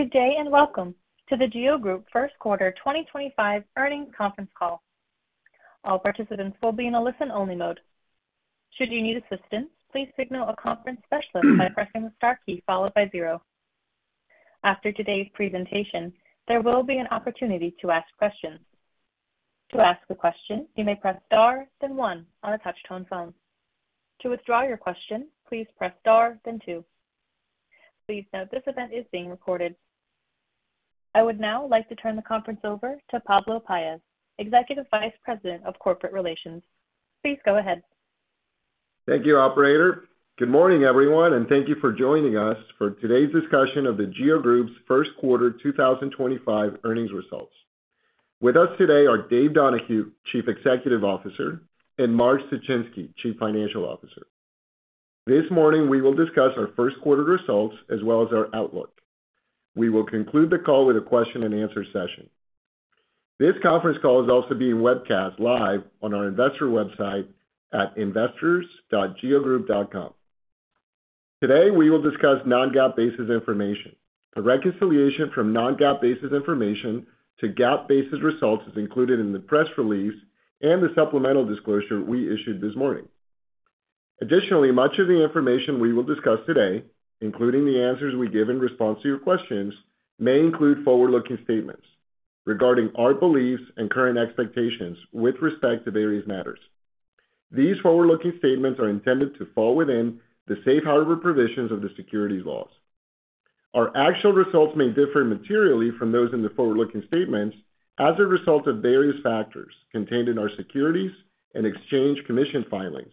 Good day and welcome to the GEO Group first quarter 2025 earnings conference call. All participants will be in a listen-only mode. Should you need assistance, please signal a conference specialist by pressing the star key followed by zero. After today's presentation, there will be an opportunity to ask questions. To ask a question, you may press star, then one, on a touch-tone phone. To withdraw your question, please press star, then two. Please note this event is being recorded. I would now like to turn the conference over to Pablo Paez, Executive Vice President of Corporate Relations. Please go ahead. Thank you, Operator. Good morning, everyone, and thank you for joining us for today's discussion of the GEO Group's first quarter 2025 earnings results. With us today are Dave Donahue, Chief Executive Officer, and Mark Suchinski, Chief Financial Officer. This morning, we will discuss our first-quarter results as well as our outlook. We will conclude the call with a question-and-answer session. This conference call is also being webcast live on our investor website at investors.geogroup.com. Today, we will discuss non-GAAP basis information. The reconciliation from non-GAAP basis information to GAAP basis results is included in the press release and the supplemental disclosure we issued this morning. Additionally, much of the information we will discuss today, including the answers we give in response to your questions, may include forward-looking statements regarding our beliefs and current expectations with respect to various matters. These forward-looking statements are intended to fall within the safe harbor provisions of the securities laws. Our actual results may differ materially from those in the forward-looking statements as a result of various factors contained in our Securities and Exchange Commission filings,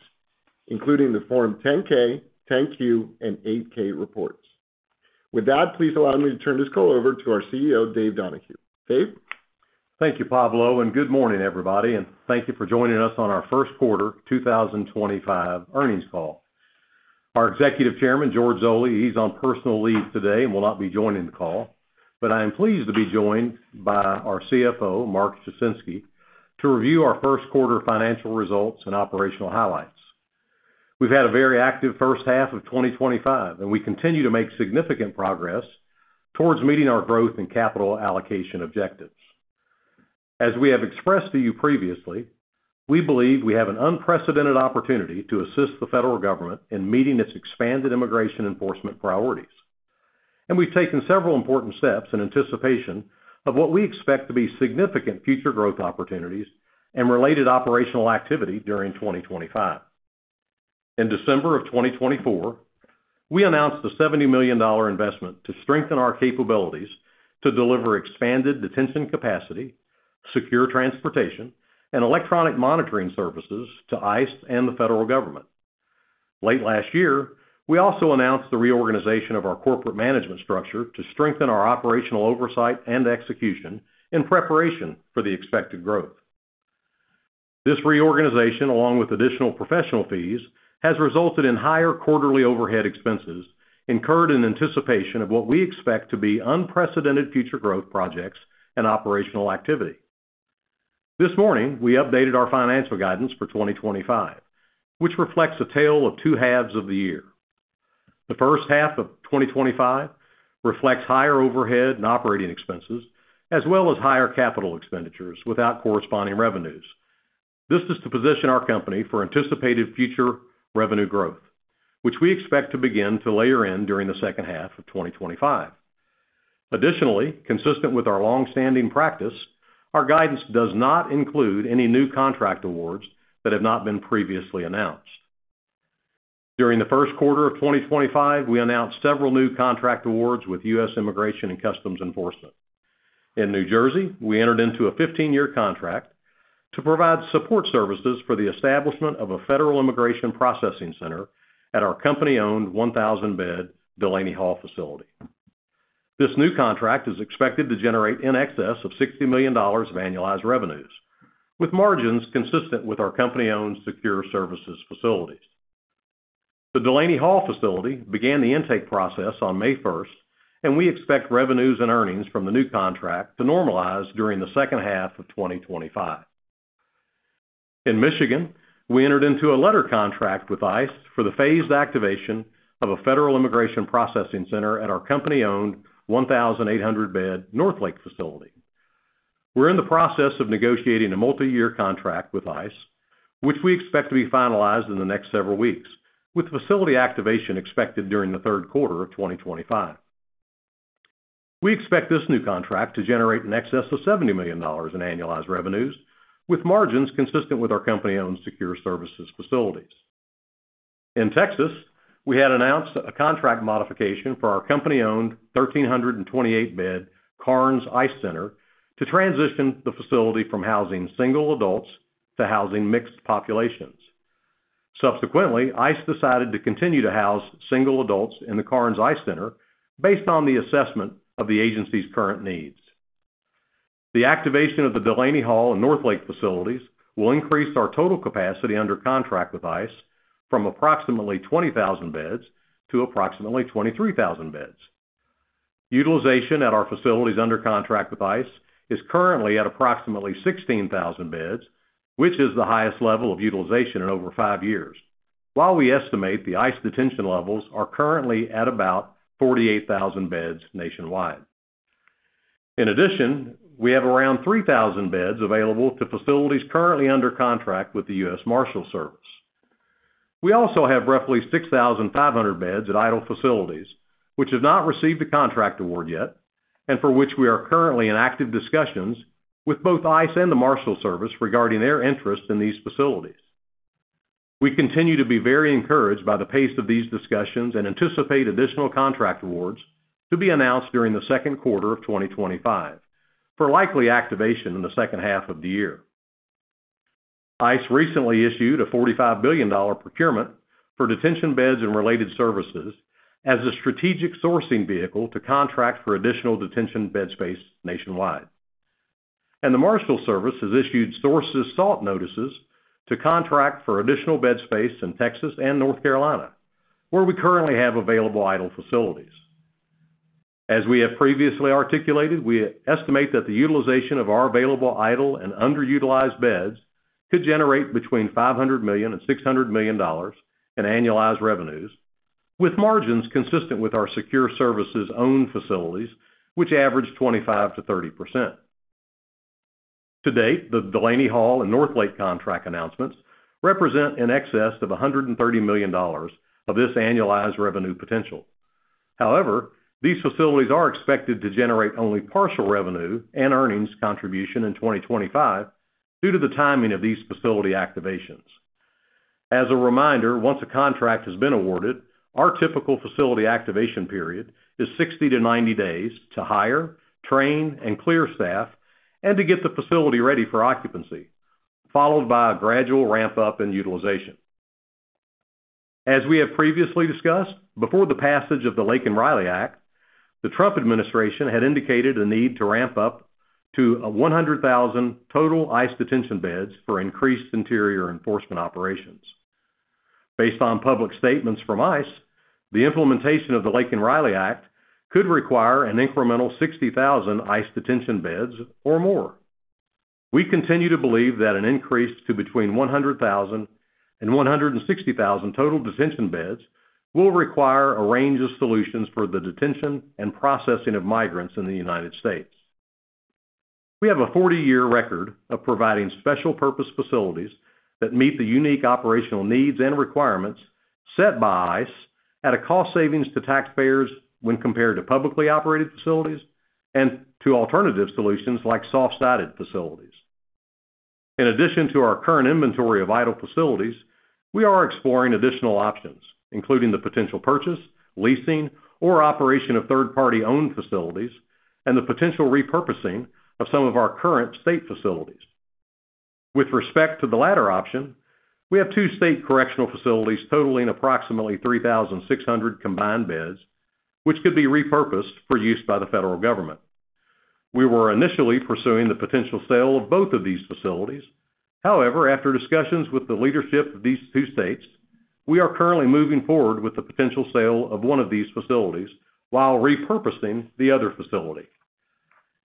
including the Form 10-K, 10-Q, and 8-K reports. With that, please allow me to turn this call over to our CEO, Dave Donahue. Dave? Thank you, Pablo, and good morning, everybody. Thank you for joining us on our First Quarter 2025 earnings call. Our Executive Chairman, George Zoley, is on personal leave today and will not be joining the call, but I am pleased to be joined by our CFO, Mark Suchinski, to review our first-quarter financial results and operational highlights. We have had a very active first half of 2025, and we continue to make significant progress towards meeting our growth and capital allocation objectives. As we have expressed to you previously, we believe we have an unprecedented opportunity to assist the federal government in meeting its expanded immigration enforcement priorities, and we have taken several important steps in anticipation of what we expect to be significant future growth opportunities and related operational activity during 2025. In December of 2024, we announced the $70 million investment to strengthen our capabilities to deliver expanded detention capacity, secure transportation, and electronic monitoring services to ICE and the federal government. Late last year, we also announced the reorganization of our corporate management structure to strengthen our operational oversight and execution in preparation for the expected growth. This reorganization, along with additional professional fees, has resulted in higher quarterly overhead expenses incurred in anticipation of what we expect to be unprecedented future growth projects and operational activity. This morning, we updated our financial guidance for 2025, which reflects a tale of two halves of the year. The first half of 2025 reflects higher overhead and operating expenses as well as higher capital expenditures without corresponding revenues. This is to position our company for anticipated future revenue growth, which we expect to begin to layer in during the second half of 2025. Additionally, consistent with our longstanding practice, our guidance does not include any new contract awards that have not been previously announced. During the first quarter of 2025, we announced several new contract awards with U.S. Immigration and Customs Enforcement. In New Jersey, we entered into a 15-year contract to provide support services for the establishment of a federal immigration processing center at our company-owned 1,000-bed Delaney Hall facility. This new contract is expected to generate in excess of $60 million of annualized revenues, with margins consistent with our company-owned secure services facilities. The Delaney Hall facility began the intake process on May 1st, and we expect revenues and earnings from the new contract to normalize during the second half of 2025. In Michigan, we entered into a letter contract with ICE for the phased activation of a federal immigration processing center at our company-owned 1,800-bed Northlake facility. We're in the process of negotiating a multi-year contract with ICE, which we expect to be finalized in the next several weeks, with facility activation expected during the third quarter of 2025. We expect this new contract to generate in excess of $70 million in annualized revenues, with margins consistent with our company-owned secure services facilities. In Texas, we had announced a contract modification for our company-owned 1,328-bed Carnes ICE Center to transition the facility from housing single adults to housing mixed populations. Subsequently, ICE decided to continue to house single adults in the Carnes ICE Center based on the assessment of the agency's current needs. The activation of the Delaney Hall and Northlake facilities will increase our total capacity under contract with ICE from approximately 20,000 beds to approximately 23,000 beds. Utilization at our facilities under contract with ICE is currently at approximately 16,000 beds, which is the highest level of utilization in over five years, while we estimate the ICE detention levels are currently at about 48,000 beds nationwide. In addition, we have around 3,000 beds available to facilities currently under contract with the U.S. Marshals Service. We also have roughly 6,500 beds at idle facilities, which have not received a contract award yet and for which we are currently in active discussions with both ICE and the Marshals Service regarding their interest in these facilities. We continue to be very encouraged by the pace of these discussions and anticipate additional contract awards to be announced during the second quarter of 2025 for likely activation in the second half of the year. ICE recently issued a $45 billion procurement for detention beds and related services as a strategic sourcing vehicle to contract for additional detention bed space nationwide. The Marshals Service has issued sources sought notices to contract for additional bed space in Texas and North Carolina, where we currently have available idle facilities. As we have previously articulated, we estimate that the utilization of our available idle and underutilized beds could generate between $500 million and $600 million in annualized revenues, with margins consistent with our secure services-owned facilities, which average 25%-30%. To date, the Delaney Hall and Northlake contract announcements represent in excess of $130 million of this annualized revenue potential. However, these facilities are expected to generate only partial revenue and earnings contribution in 2025 due to the timing of these facility activations. As a reminder, once a contract has been awarded, our typical facility activation period is 60-90 days to hire, train, and clear staff and to get the facility ready for occupancy, followed by a gradual ramp-up in utilization. As we have previously discussed, before the passage of the Laken Riley Act, the Trump administration had indicated a need to ramp up to 100,000 total ICE detention beds for increased interior enforcement operations. Based on public statements from ICE, the implementation of the Laken Riley Act could require an incremental 60,000 ICE detention beds or more. We continue to believe that an increase to between 100,000 and 160,000 total detention beds will require a range of solutions for the detention and processing of migrants in the United States. We have a 40-year record of providing special purpose facilities that meet the unique operational needs and requirements set by ICE at a cost savings to taxpayers when compared to publicly operated facilities and to alternative solutions like soft-sided facilities. In addition to our current inventory of idle facilities, we are exploring additional options, including the potential purchase, leasing, or operation of third-party-owned facilities and the potential repurposing of some of our current state facilities. With respect to the latter option, we have two state correctional facilities totaling approximately 3,600 combined beds, which could be repurposed for use by the federal government. We were initially pursuing the potential sale of both of these facilities. However, after discussions with the leadership of these two states, we are currently moving forward with the potential sale of one of these facilities while repurposing the other facility.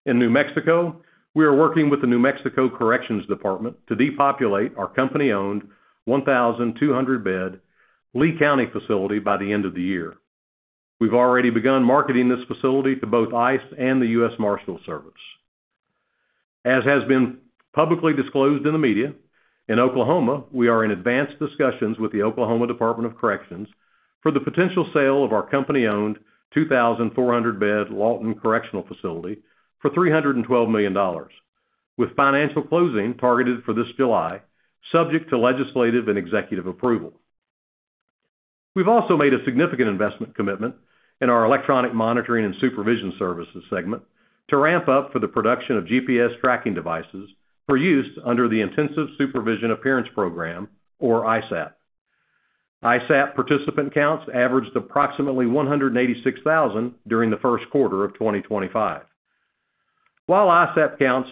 In New Mexico, we are working with the New Mexico Corrections Department to depopulate our company-owned 1,200-bed Lee County facility by the end of the year. We've already begun marketing this facility to both ICE and the U.S. Marshals Service. As has been publicly disclosed in the media, in Oklahoma, we are in advanced discussions with the Oklahoma Department of Corrections for the potential sale of our company-owned 2,400-bed Lawton Correctional Facility for $312 million, with financial closing targeted for this July, subject to legislative and executive approval. We've also made a significant investment commitment in our electronic monitoring and supervision services segment to ramp up for the production of GPS tracking devices for use under the Intensive Supervision Appearance Program, or ISAP. ISAP participant counts averaged approximately 186,000 during the first quarter of 2025. While ISAP counts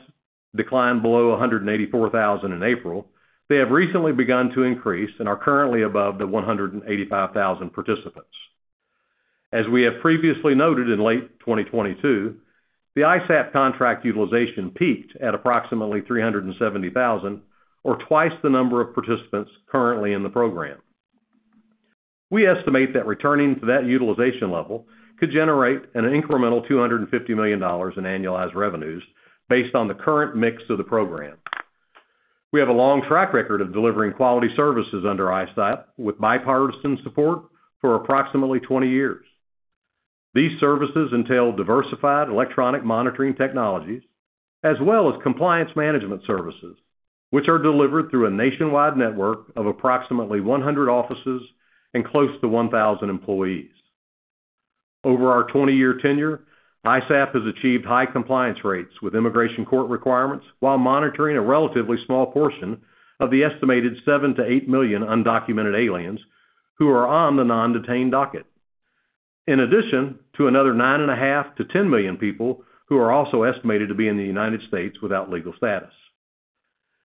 declined below 184,000 in April, they have recently begun to increase and are currently above the 185,000 participants. As we have previously noted in late 2022, the ISAP contract utilization peaked at approximately 370,000, or twice the number of participants currently in the program. We estimate that returning to that utilization level could generate an incremental $250 million in annualized revenues based on the current mix of the program. We have a long track record of delivering quality services under ISAP with bipartisan support for approximately 20 years. These services entail diversified electronic monitoring technologies as well as compliance management services, which are delivered through a nationwide network of approximately 100 offices and close to 1,000 employees. Over our 20-year tenure, ISAP has achieved high compliance rates with immigration court requirements while monitoring a relatively small portion of the estimated 7-8 million undocumented aliens who are on the non-detained docket, in addition to another 9.5-10 million people who are also estimated to be in the United States without legal status.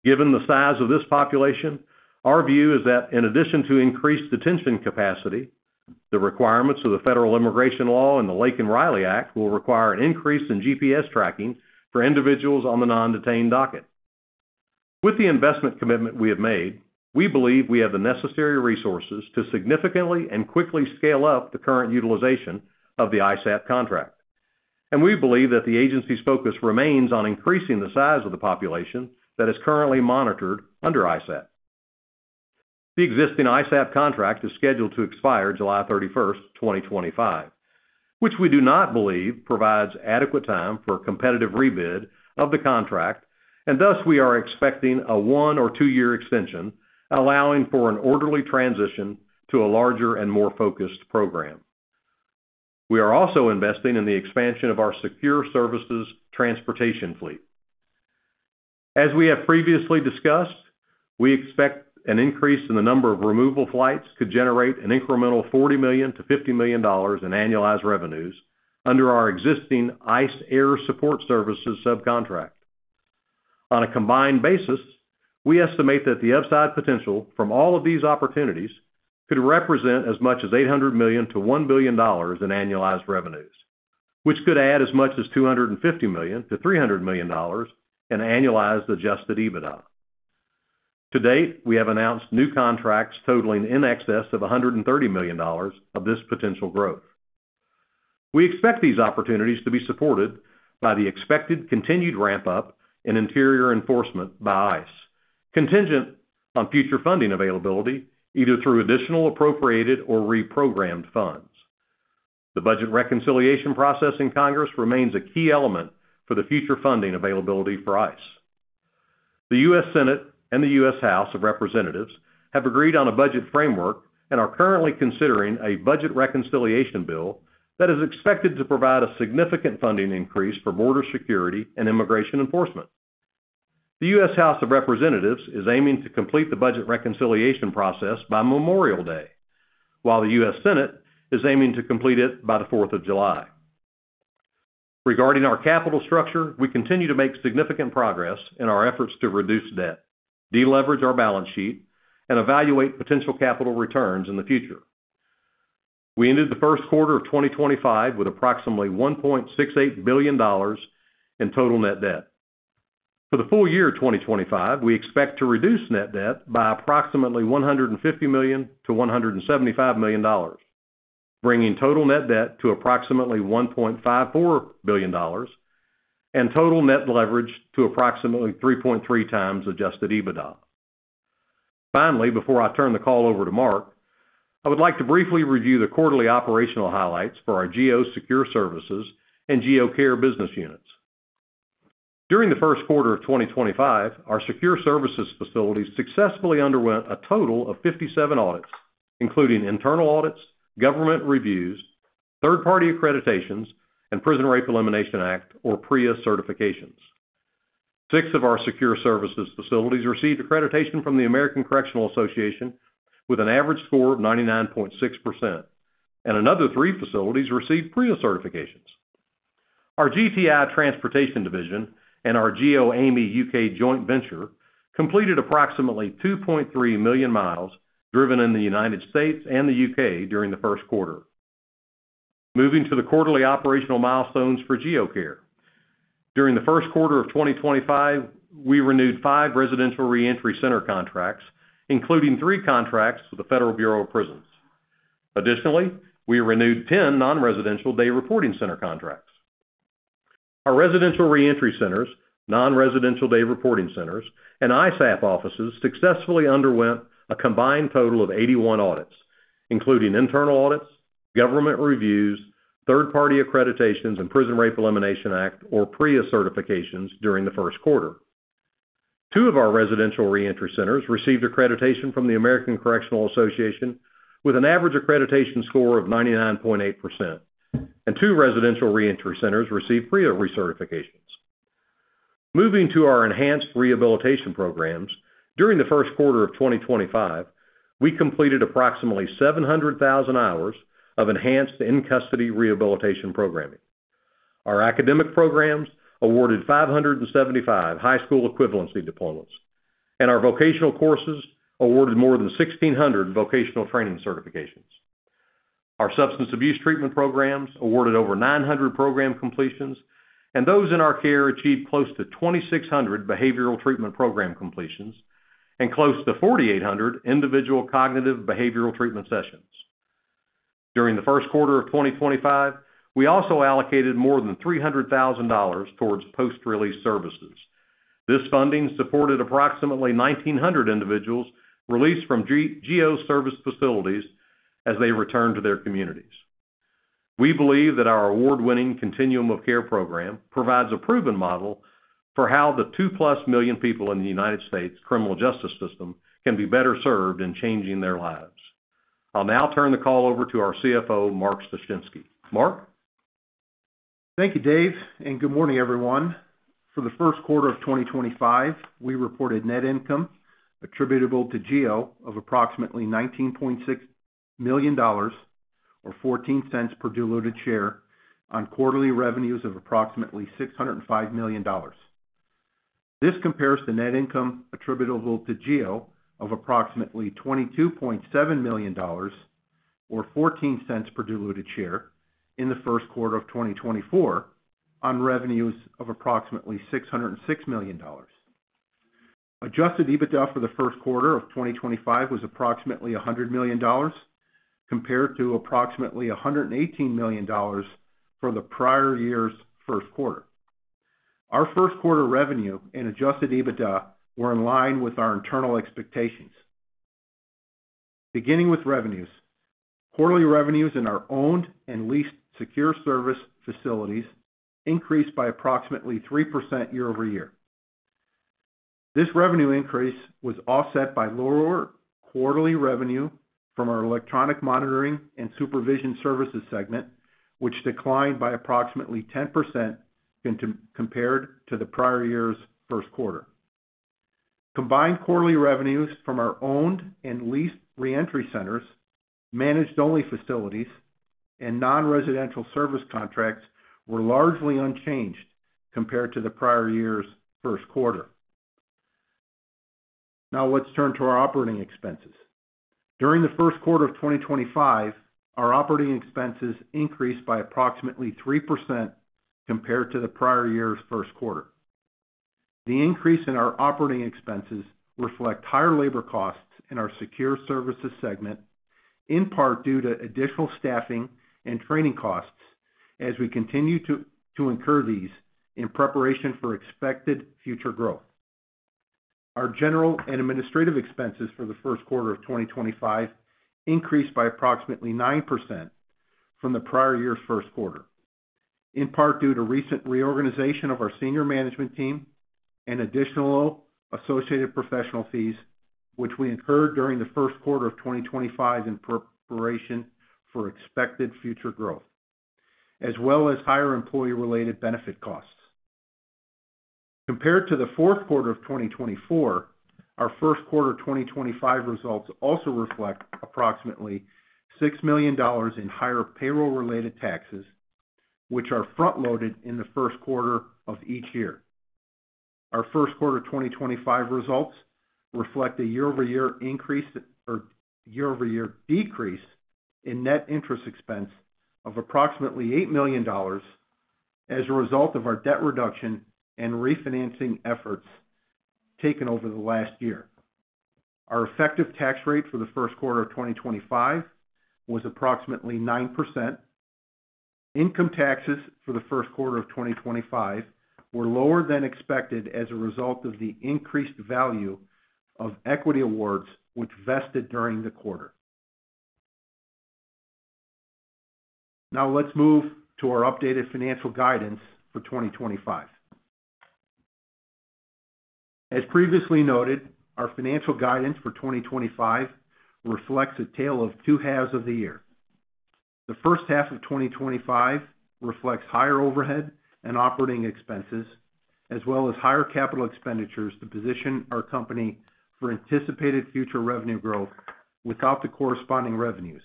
Given the size of this population, our view is that in addition to increased detention capacity, the requirements of the federal immigration law and the Laken Riley Act will require an increase in GPS tracking for individuals on the non-detained docket. With the investment commitment we have made, we believe we have the necessary resources to significantly and quickly scale up the current utilization of the ISAP contract, and we believe that the agency's focus remains on increasing the size of the population that is currently monitored under ISAP. The existing ISAP contract is scheduled to expire July 31, 2025, which we do not believe provides adequate time for a competitive rebid of the contract, and thus we are expecting a one or two-year extension allowing for an orderly transition to a larger and more focused program. We are also investing in the expansion of our secure services transportation fleet. As we have previously discussed, we expect an increase in the number of removal flights could generate an incremental $40 million-$50 million in annualized revenues under our existing ICE Air Support Services subcontract. On a combined basis, we estimate that the upside potential from all of these opportunities could represent as much as $800 million-$1 billion in annualized revenues, which could add as much as $250 million-$300 million in annualized adjusted EBITDA. To date, we have announced new contracts totaling in excess of $130 million of this potential growth. We expect these opportunities to be supported by the expected continued ramp-up in interior enforcement by ICE, contingent on future funding availability either through additional appropriated or reprogrammed funds. The budget reconciliation process in Congress remains a key element for the future funding availability for ICE. The U.S. Senate and the U.S. House of Representatives have agreed on a budget framework and are currently considering a budget reconciliation bill that is expected to provide a significant funding increase for border security and immigration enforcement. The U.S. House of Representatives is aiming to complete the budget reconciliation process by Memorial Day, while the U.S. Senate is aiming to complete it by the 4th of July. Regarding our capital structure, we continue to make significant progress in our efforts to reduce debt, deleverage our balance sheet, and evaluate potential capital returns in the future. We ended the first quarter of 2025 with approximately $1.68 billion in total net debt. For the full year of 2025, we expect to reduce net debt by approximately $150 million-$175 million, bringing total net debt to approximately $1.54 billion and total net leverage to approximately 3.3 times adjusted EBITDA. Finally, before I turn the call over to Mark, I would like to briefly review the quarterly operational highlights for our GEO Secure Services and GEO Care business units. During the first quarter of 2025, our secure services facilities successfully underwent a total of 57 audits, including internal audits, government reviews, third-party accreditations, and Prison Rape Elimination Act, or PREA, certifications. Six of our secure services facilities received accreditation from the American Correctional Association with an average score of 99.6%, and another three facilities received PREA certifications. Our GTI Transportation Division and our GEO AMI UK joint venture completed approximately 2.3 million miles driven in the United States and the U.K. during the first quarter. Moving to the quarterly operational milestones for GEO Care. During the first quarter of 2025, we renewed five residential reentry center contracts, including three contracts with the Federal Bureau of Prisons. Additionally, we renewed 10 non-residential day reporting center contracts. Our residential reentry centers, non-residential day reporting centers, and ISAP offices successfully underwent a combined total of 81 audits, including internal audits, government reviews, third-party accreditations, and Prison Rape Elimination Act, or PREA certifications during the first quarter. Two of our residential reentry centers received accreditation from the American Correctional Association with an average accreditation score of 99.8%, and two residential reentry centers received PREA recertifications. Moving to our enhanced rehabilitation programs, during the first quarter of 2025, we completed approximately 700,000 hours of enhanced in-custody rehabilitation programming. Our academic programs awarded 575 high school equivalency diplomas, and our vocational courses awarded more than 1,600 vocational training certifications. Our substance abuse treatment programs awarded over 900 program completions, and those in our care achieved close to 2,600 behavioral treatment program completions and close to 4,800 individual cognitive behavioral treatment sessions. During the first quarter of 2025, we also allocated more than $300,000 towards post-release services. This funding supported approximately 1,900 individuals released from GEO service facilities as they returned to their communities. We believe that our award-winning continuum of care program provides a proven model for how the 2 plus million people in the United States criminal justice system can be better served in changing their lives. I'll now turn the call over to our CFO, Mark Suchinski. Mark. Thank you, Dave, and good morning, everyone. For the first quarter of 2025, we reported net income attributable to GEO of approximately $19.6 million, or $0.14 per diluted share, on quarterly revenues of approximately $605 million. This compares to net income attributable to GEO of approximately $22.7 million, or $0.14 per diluted share, in the first quarter of 2024 on revenues of approximately $606 million. Adjusted EBITDA for the first quarter of 2025 was approximately $100 million, compared to approximately $118 million for the prior year's first quarter. Our first quarter revenue and adjusted EBITDA were in line with our internal expectations. Beginning with revenues, quarterly revenues in our owned and leased secure service facilities increased by approximately 3% year over year. This revenue increase was offset by lower quarterly revenue from our electronic monitoring and supervision services segment, which declined by approximately 10% compared to the prior year's first quarter. Combined quarterly revenues from our owned and leased reentry centers, managed-only facilities, and non-residential service contracts were largely unchanged compared to the prior year's first quarter. Now let's turn to our operating expenses. During the first quarter of 2025, our operating expenses increased by approximately 3% compared to the prior year's first quarter. The increase in our operating expenses reflects higher labor costs in our secure services segment, in part due to additional staffing and training costs as we continue to incur these in preparation for expected future growth. Our general and administrative expenses for the first quarter of 2025 increased by approximately 9% from the prior year's first quarter, in part due to recent reorganization of our senior management team and additional associated professional fees, which we incurred during the first quarter of 2025 in preparation for expected future growth, as well as higher employee-related benefit costs. Compared to the fourth quarter of 2024, our first quarter 2025 results also reflect approximately $6 million in higher payroll-related taxes, which are front-loaded in the first quarter of each year. Our first quarter 2025 results reflect a year-over-year decrease in net interest expense of approximately $8 million as a result of our debt reduction and refinancing efforts taken over the last year. Our effective tax rate for the first quarter of 2025 was approximately 9%. Income taxes for the first quarter of 2025 were lower than expected as a result of the increased value of equity awards which vested during the quarter. Now let's move to our updated financial guidance for 2025. As previously noted, our financial guidance for 2025 reflects a tale of two halves of the year. The first half of 2025 reflects higher overhead and operating expenses, as well as higher capital expenditures to position our company for anticipated future revenue growth without the corresponding revenues,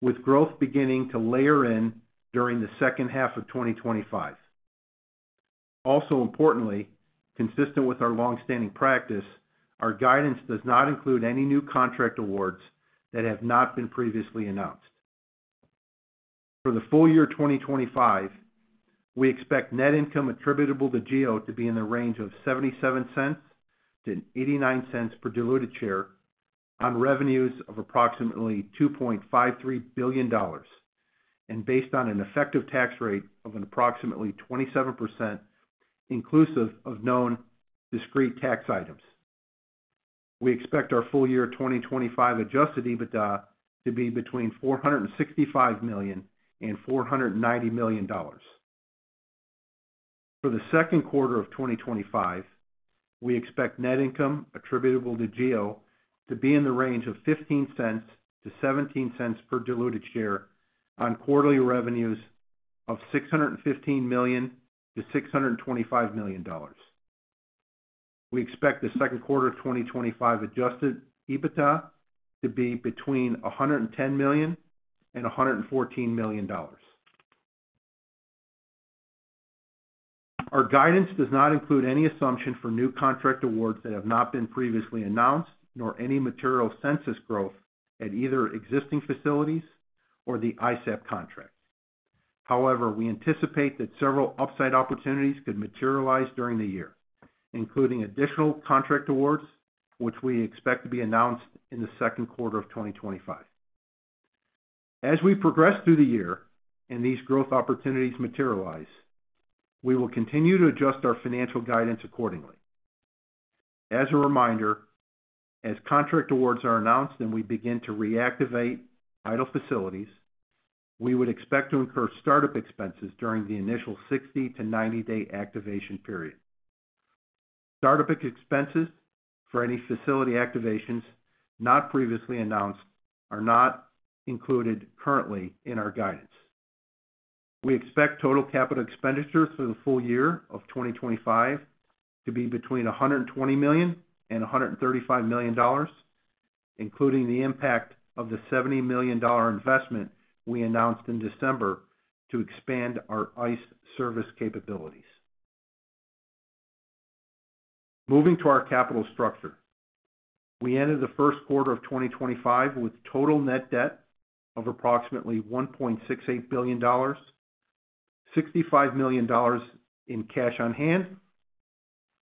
with growth beginning to layer in during the second half of 2025. Also, importantly, consistent with our longstanding practice, our guidance does not include any new contract awards that have not been previously announced. For the full year 2025, we expect net income attributable to GEO to be in the range of $0.77-$0.89 per diluted share on revenues of approximately $2.53 billion, and based on an effective tax rate of approximately 27% inclusive of known discrete tax items. We expect our full year 2025 adjusted EBITDA to be between $465 million and $490 million. For the second quarter of 2025, we expect net income attributable to GEO to be in the range of $0.15-$0.17 per diluted share on quarterly revenues of $615 million-$625 million. We expect the second quarter of 2025 adjusted EBITDA to be between $110 million and $114 million. Our guidance does not include any assumption for new contract awards that have not been previously announced, nor any material census growth at either existing facilities or the ISAP contract. However, we anticipate that several upside opportunities could materialize during the year, including additional contract awards which we expect to be announced in the second quarter of 2025. As we progress through the year and these growth opportunities materialize, we will continue to adjust our financial guidance accordingly. As a reminder, as contract awards are announced and we begin to reactivate vital facilities, we would expect to incur startup expenses during the initial 60- to 90-day activation period. Startup expenses for any facility activations not previously announced are not included currently in our guidance. We expect total capital expenditures for the full year of 2025 to be between $120 million and $135 million, including the impact of the $70 million investment we announced in December to expand our ICE service capabilities. Moving to our capital structure, we ended the first quarter of 2025 with total net debt of approximately $1.68 billion, $65 million in cash on hand,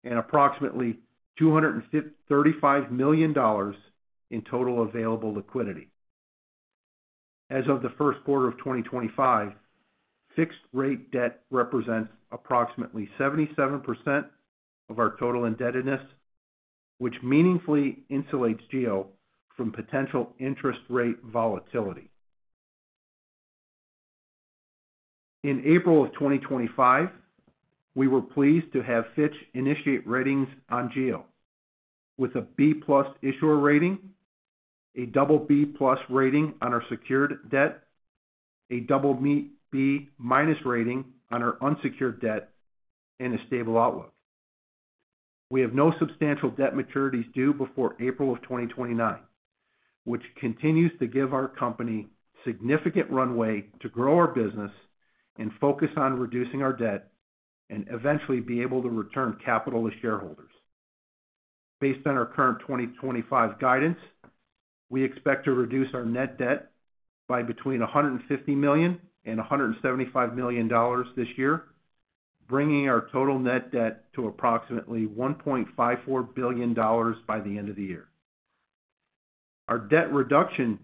and approximately $235 million in total available liquidity. As of the first quarter of 2025, fixed-rate debt represents approximately 77% of our total indebtedness, which meaningfully insulates GEO from potential interest rate volatility. In April of 2025, we were pleased to have Fitch initiate ratings on GEO with a B-plus issuer rating, a double B-plus rating on our secured debt, a double B-minus rating on our unsecured debt, and a stable outlook. We have no substantial debt maturities due before April of 2029, which continues to give our company significant runway to grow our business and focus on reducing our debt and eventually be able to return capital to shareholders. Based on our current 2025 guidance, we expect to reduce our net debt by between $150 million and $175 million this year, bringing our total net debt to approximately $1.54 billion by the end of the year. Our debt reduction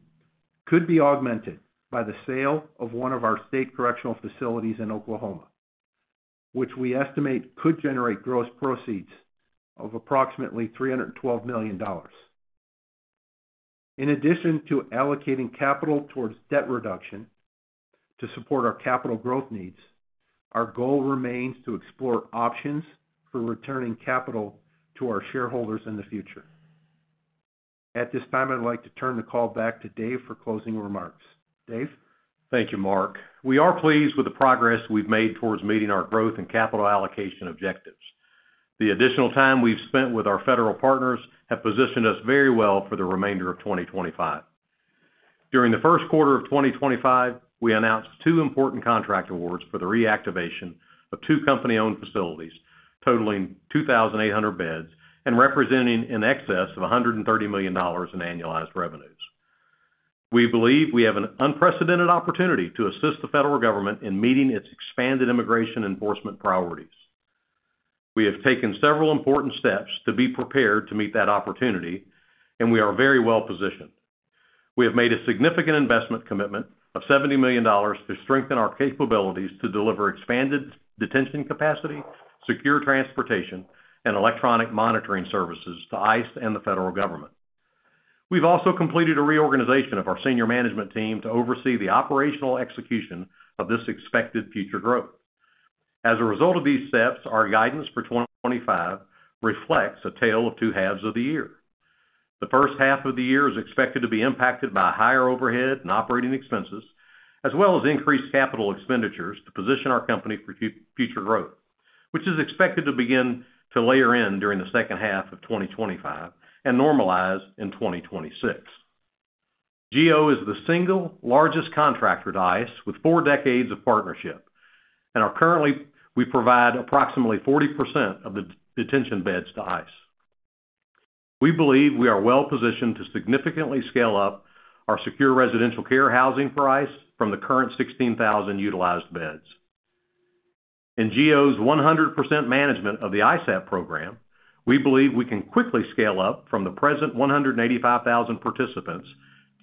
could be augmented by the sale of one of our state correctional facilities in Oklahoma, which we estimate could generate gross proceeds of approximately $312 million. In addition to allocating capital towards debt reduction to support our capital growth needs, our goal remains to explore options for returning capital to our shareholders in the future. At this time, I'd like to turn the call back to Dave for closing remarks. Dave. Thank you, Mark. We are pleased with the progress we've made towards meeting our growth and capital allocation objectives. The additional time we've spent with our federal partners has positioned us very well for the remainder of 2025. During the first quarter of 2025, we announced two important contract awards for the reactivation of two company-owned facilities totaling 2,800 beds and representing an excess of $130 million in annualized revenues. We believe we have an unprecedented opportunity to assist the federal government in meeting its expanded immigration enforcement priorities. We have taken several important steps to be prepared to meet that opportunity, and we are very well positioned. We have made a significant investment commitment of $70 million to strengthen our capabilities to deliver expanded detention capacity, secure transportation, and electronic monitoring services to ICE and the federal government. We've also completed a reorganization of our senior management team to oversee the operational execution of this expected future growth. As a result of these steps, our guidance for 2025 reflects a tale of two halves of the year. The first half of the year is expected to be impacted by higher overhead and operating expenses, as well as increased capital expenditures to position our company for future growth, which is expected to begin to layer in during the second half of 2025 and normalize in 2026. GEO is the single largest contractor to ICE with four decades of partnership, and currently, we provide approximately 40% of the detention beds to ICE. We believe we are well positioned to significantly scale up our secure residential care housing for ICE from the current 16,000 utilized beds. In GEO's 100% management of the ISAP program, we believe we can quickly scale up from the present 185,000 participants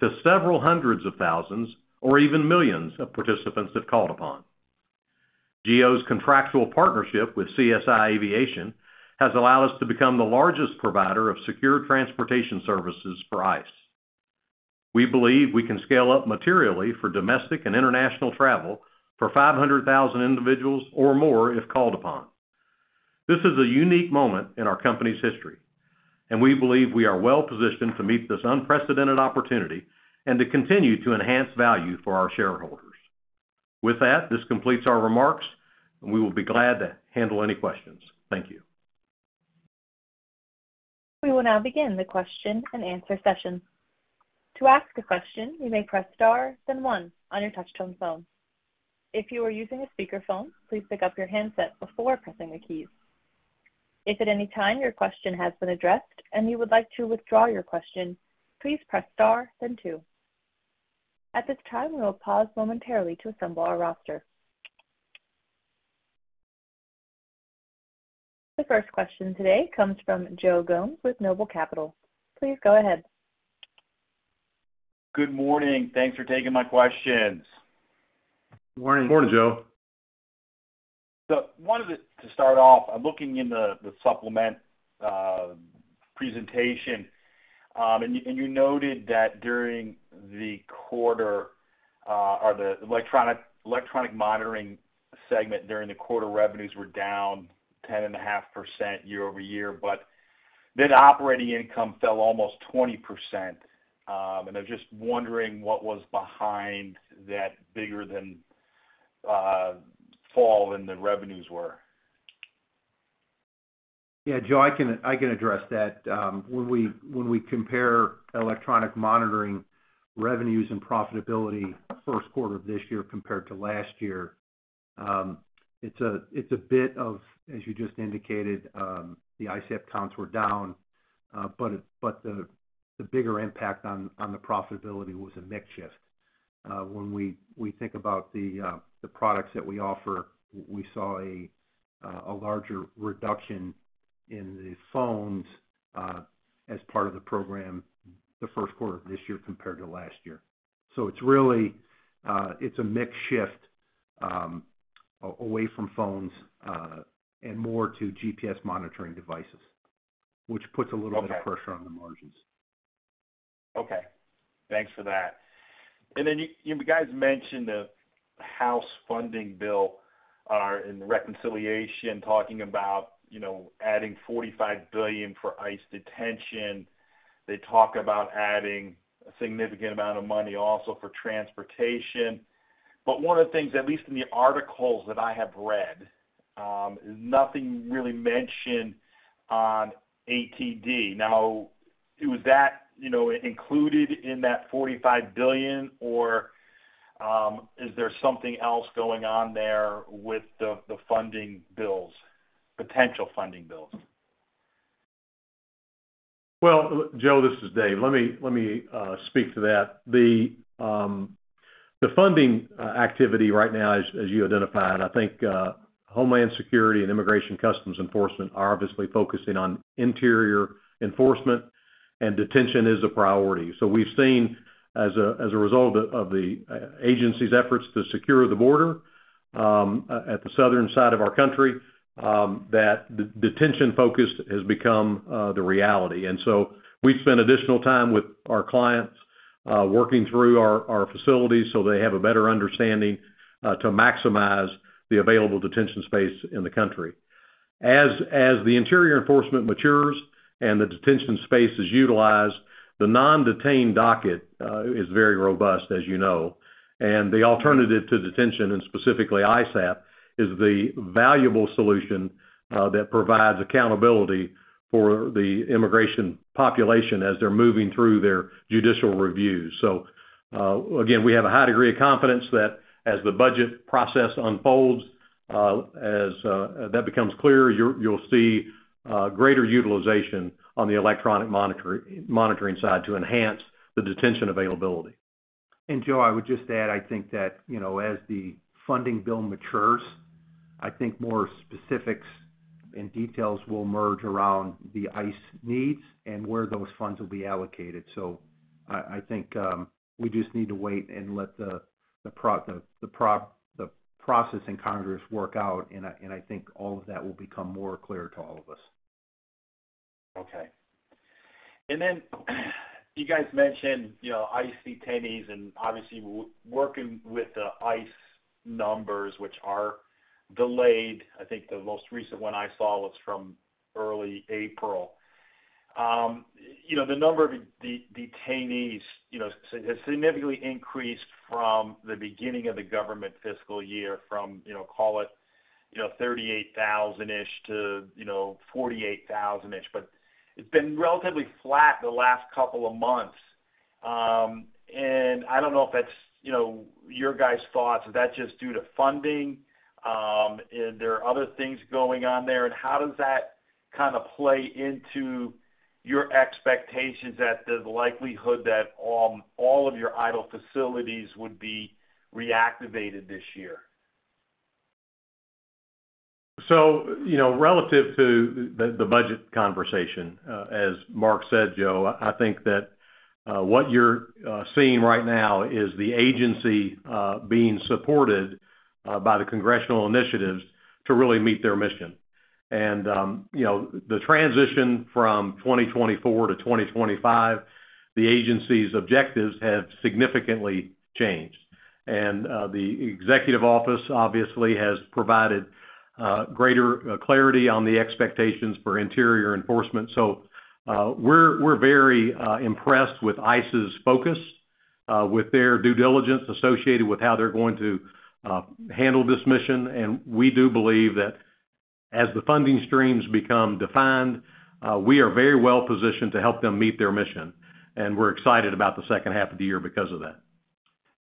to several hundreds of thousands or even millions of participants if called upon. GEO's contractual partnership with CSI Aviation has allowed us to become the largest provider of secure transportation services for ICE. We believe we can scale up materially for domestic and international travel for 500,000 individuals or more if called upon. This is a unique moment in our company's history, and we believe we are well positioned to meet this unprecedented opportunity and to continue to enhance value for our shareholders. With that, this completes our remarks, and we will be glad to handle any questions. Thank you. We will now begin the question and answer session. To ask a question, you may press star, then one on your touch-tone phone. If you are using a speakerphone, please pick up your handset before pressing the keys. If at any time your question has been addressed and you would like to withdraw your question, please press star, then two. At this time, we will pause momentarily to assemble our roster. The first question today comes from Joe Gomes with Noble Capital. Please go ahead. Good morning. Thanks for taking my questions. Good morning, Joe. So one of the—to start off, I'm looking in the supplement presentation, and you noted that during the quarter—or the electronic monitoring segment during the quarter—revenues were down 10.5% year over year, but then operating income fell almost 20%. And I'm just wondering what was behind that bigger than fall than the revenues were. Yeah, Joe, I can address that. When we compare electronic monitoring revenues and profitability first quarter of this year compared to last year, it's a bit of—as you just indicated, the ISAP counts were down, but the bigger impact on the profitability was a mix shift. When we think about the products that we offer, we saw a larger reduction in the phones as part of the program the first quarter of this year compared to last year. It's a mix shift away from phones and more to GPS monitoring devices, which puts a little bit of pressure on the margins. Okay. Thanks for that. You guys mentioned the House funding bill and reconciliation talking about adding $45 billion for ICE detention. They talk about adding a significant amount of money also for transportation. One of the things, at least in the articles that I have read, is nothing really mentioned on ATD. Now, was that included in that $45 billion, or is there something else going on there with the funding bills, potential funding bills? Joe, this is Dave. Let me speak to that. The funding activity right now, as you identified, I think Homeland Security and Immigration Customs Enforcement are obviously focusing on interior enforcement, and detention is a priority. We have seen, as a result of the agency's efforts to secure the border at the southern side of our country, that the detention focus has become the reality. We have spent additional time with our clients working through our facilities so they have a better understanding to maximize the available detention space in the country. As the interior enforcement matures and the detention space is utilized, the non-detained docket is very robust, as you know. The alternative to detention, and specifically ISAP, is the valuable solution that provides accountability for the immigration population as they're moving through their judicial reviews. We have a high degree of confidence that as the budget process unfolds, as that becomes clear, you'll see greater utilization on the electronic monitoring side to enhance the detention availability. Joe, I would just add, I think that as the funding bill matures, I think more specifics and details will emerge around the ICE needs and where those funds will be allocated. I think we just need to wait and let the process in Congress work out, and I think all of that will become more clear to all of us. Okay. You guys mentioned ICE detainees and obviously working with the ICE numbers, which are delayed. I think the most recent one I saw was from early April. The number of detainees has significantly increased from the beginning of the government fiscal year, from, call it, 38,000-ish to 48,000-ish, but it's been relatively flat the last couple of months. I don't know if that's your guys' thoughts. Is that just due to funding? Are there other things going on there? How does that kind of play into your expectations that the likelihood that all of your idle facilities would be reactivated this year? Relative to the budget conversation, as Mark said, Joe, I think that what you're seeing right now is the agency being supported by the congressional initiatives to really meet their mission. The transition from 2024 to 2025, the agency's objectives have significantly changed. The executive office obviously has provided greater clarity on the expectations for interior enforcement. We're very impressed with ICE's focus, with their due diligence associated with how they're going to handle this mission. We do believe that as the funding streams become defined, we are very well positioned to help them meet their mission. We're excited about the second half of the year because of that.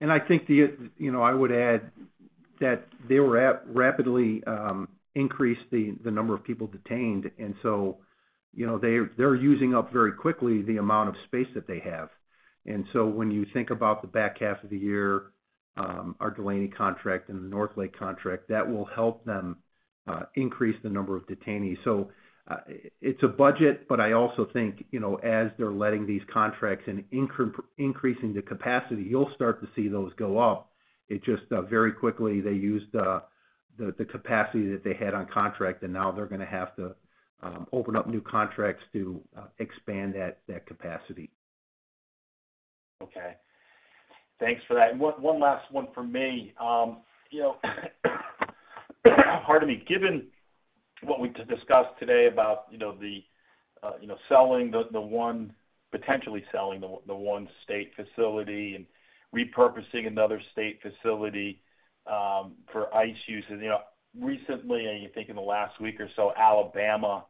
I think I would add that they were rapidly increasing the number of people detained, and so they're using up very quickly the amount of space that they have. When you think about the back half of the year, our Delaney contract and the Northlake contract will help them increase the number of detainees. It's a budget, but I also think as they're letting these contracts and increasing the capacity, you'll start to see those go up. It's just very quickly they used the capacity that they had on contract, and now they're going to have to open up new contracts to expand that capacity. Okay. Thanks for that. One last one for me. Pardon me. Given what we've discussed today about the selling, the one potentially selling the one state facility and repurposing another state facility for ICE use, recently, I think in the last week or so, Alabama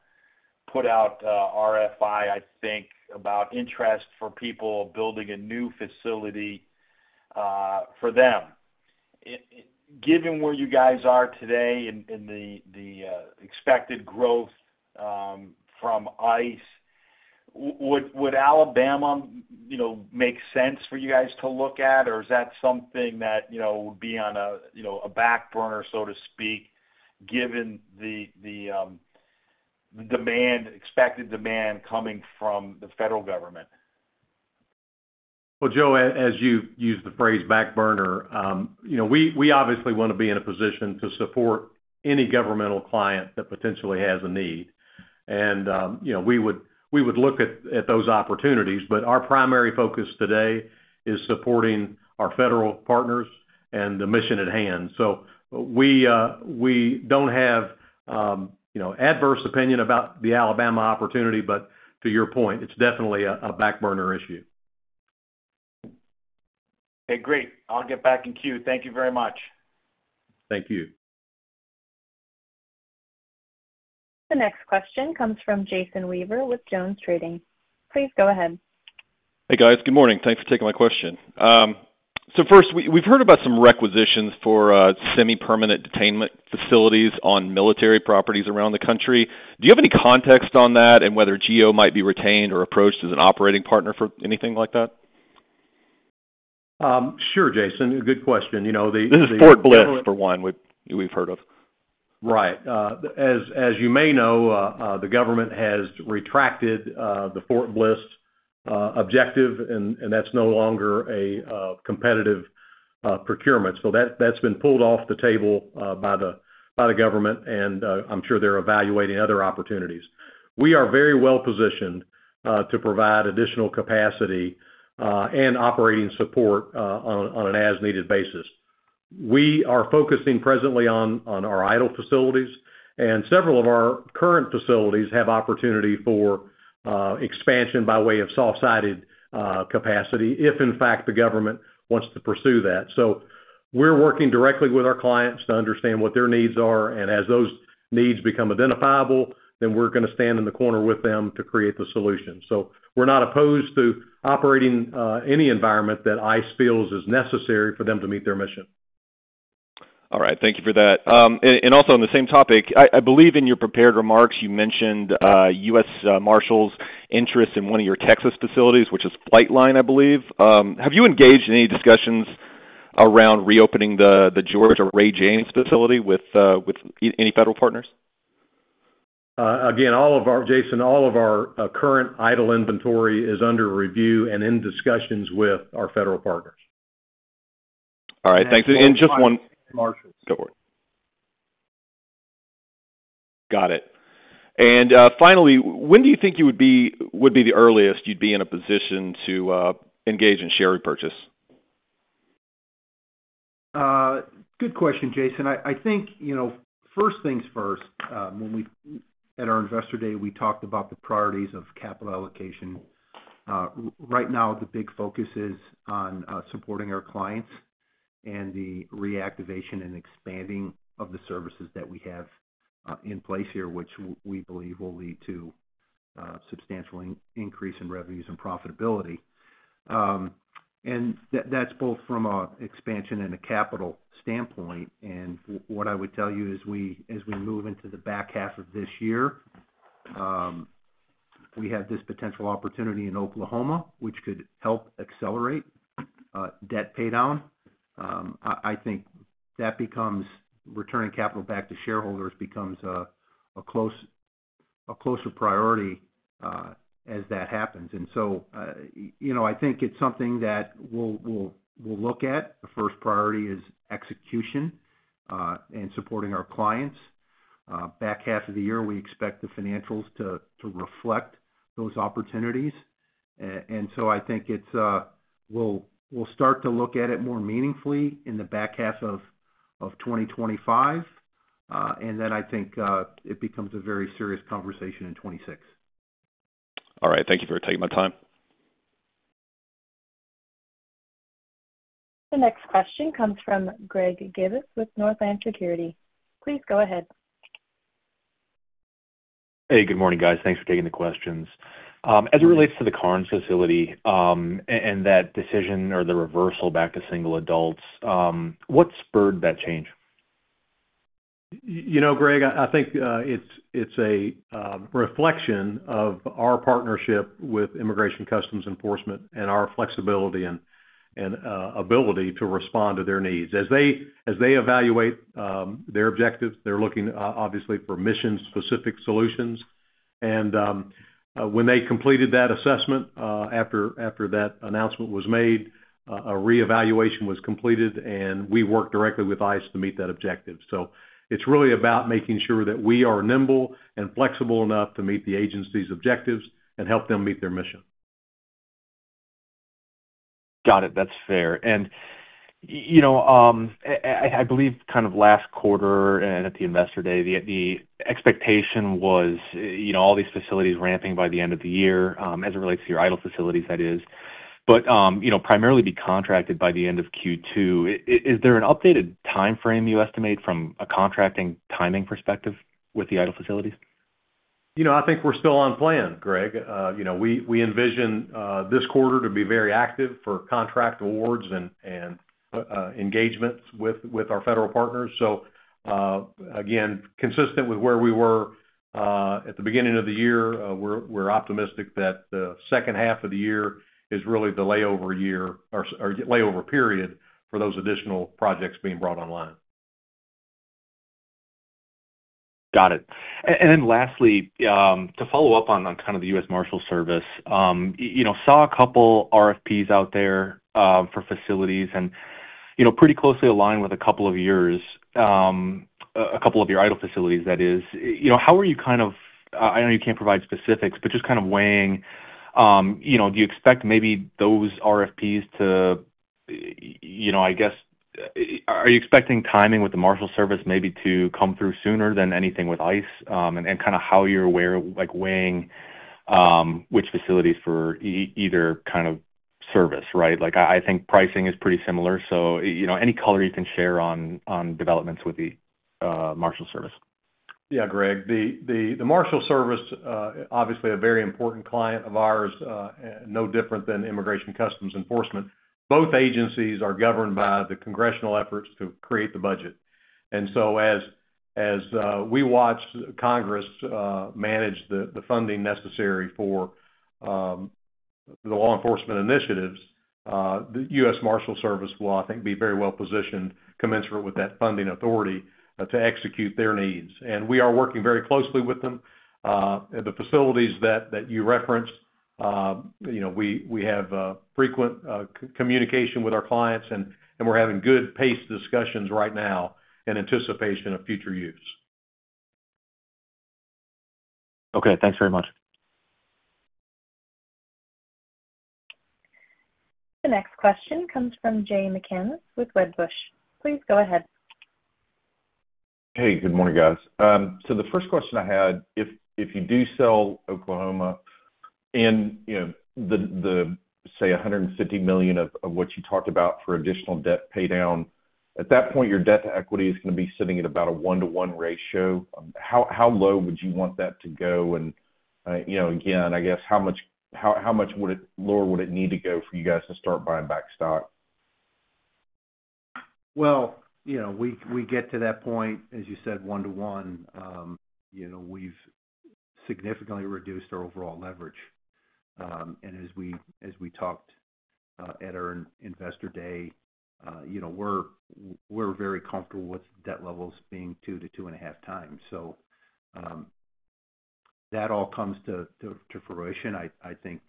put out RFI, I think, about interest for people building a new facility for them. Given where you guys are today and the expected growth from ICE, would Alabama make sense for you guys to look at, or is that something that would be on a back burner, so to speak, given the expected demand coming from the federal government? Joe, as you use the phrase back burner, we obviously want to be in a position to support any governmental client that potentially has a need. We would look at those opportunities, but our primary focus today is supporting our federal partners and the mission at hand. We do not have an adverse opinion about the Alabama opportunity, but to your point, it is definitely a back burner issue. Okay. Great. I will get back in queue. Thank you very much. Thank you. The next question comes from Jason Weaver with JonesTrading. Please go ahead. Hey, guys. Good morning. Thanks for taking my question. First, we have heard about some requisitions for semi-permanent detainment facilities on military properties around the country. Do you have any context on that and whether GEO might be retained or approached as an operating partner for anything like that? Sure, Jason. Good question. The Fort Bliss, for one, we've heard of. Right. As you may know, the government has retracted the Fort Bliss objective, and that's no longer a competitive procurement. That's been pulled off the table by the government, and I'm sure they're evaluating other opportunities. We are very well positioned to provide additional capacity and operating support on an as-needed basis. We are focusing presently on our idle facilities, and several of our current facilities have opportunity for expansion by way of soft-sided capacity, if in fact the government wants to pursue that. We are working directly with our clients to understand what their needs are, and as those needs become identifiable, then we're going to stand in the corner with them to create the solution. We are not opposed to operating any environment that ICE feels is necessary for them to meet their mission. All right. Thank you for that. Also, on the same topic, I believe in your prepared remarks, you mentioned U.S. Marshals' interest in one of your Texas facilities, which is Flightline, I believe. Have you engaged in any discussions around reopening the Georgia Ray James facility with any federal partners? Again, Jason, all of our current idle inventory is under review and in discussions with our federal partners. Got it. Finally, when do you think you would be the earliest you'd be in a position to engage in share repurchase? Good question, Jason. I think first things first. At our investor day, we talked about the priorities of capital allocation. Right now, the big focus is on supporting our clients and the reactivation and expanding of the services that we have in place here, which we believe will lead to a substantial increase in revenues and profitability. That is both from an expansion and a capital standpoint. What I would tell you is as we move into the back half of this year, we have this potential opportunity in Oklahoma, which could help accelerate debt paydown. I think that return of capital back to shareholders becomes a closer priority as that happens. I think it is something that we will look at. The first priority is execution and supporting our clients. Back half of the year, we expect the financials to reflect those opportunities. I think we will start to look at it more meaningfully in the back half of 2025. I think it becomes a very serious conversation in 2026. All right. Thank you for taking my time. The next question comes from Greg Gibas with Northland Security. Please go ahead. Hey, good morning, guys. Thanks for taking the questions. As it relates to the Karnes facility and that decision or the reversal back to single adults, what spurred that change? Greg, I think it's a reflection of our partnership with Immigration Customs Enforcement and our flexibility and ability to respond to their needs. As they evaluate their objectives, they're looking obviously for mission-specific solutions. When they completed that assessment after that announcement was made, a reevaluation was completed, and we worked directly with ICE to meet that objective. It is really about making sure that we are nimble and flexible enough to meet the agency's objectives and help them meet their mission. Got it. That's fair. I believe kind of last quarter and at the investor day, the expectation was all these facilities ramping by the end of the year as it relates to your idle facilities, that is, but primarily be contracted by the end of Q2. Is there an updated timeframe you estimate from a contracting timing perspective with the idle facilities? I think we're still on plan, Greg. We envision this quarter to be very active for contract awards and engagements with our federal partners. Again, consistent with where we were at the beginning of the year, we're optimistic that the second half of the year is really the layover year or layover period for those additional projects being brought online. Got it. Lastly, to follow up on kind of the U.S. Marshals Service, I saw a couple of RFPs out there for facilities and pretty closely aligned with a couple of your idle facilities, that is. How are you kind of—I know you can't provide specifics, but just kind of weighing—do you expect maybe those RFPs to, I guess, are you expecting timing with the Marshals Service maybe to come through sooner than anything with ICE? And kind of how you're weighing which facilities for either kind of service, right? I think pricing is pretty similar. Any color you can share on developments with the Marshals Service. Yeah, Greg. The Marshals Service is obviously a very important client of ours, no different than Immigration Customs Enforcement. Both agencies are governed by the congressional efforts to create the budget. As we watch Congress manage the funding necessary for the law enforcement initiatives, the U.S. Marshals Service will, I think, be very well positioned, commensurate with that funding authority to execute their needs. We are working very closely with them. The facilities that you referenced, we have frequent communication with our clients, and we're having good-paced discussions right now in anticipation of future use. Okay. Thanks very much. The next question comes from Jay McCanless with Wedbush. Please go ahead. Hey, good morning, guys. The first question I had, if you do sell Oklahoma and the, say, $150 million of what you talked about for additional debt paydown, at that point, your debt to equity is going to be sitting at about a one-to-one ratio. How low would you want that to go? I guess, how much lower would it need to go for you guys to start buying back stock? We get to that point, as you said, one-to-one. We've significantly reduced our overall leverage. As we talked at our investor day, we're very comfortable with debt levels being two to two and a half times. If that all comes to fruition, I think